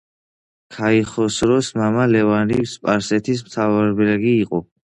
ქაიხოსროს მამა ლევანი სპარსეთის მდივანბეგი იყო.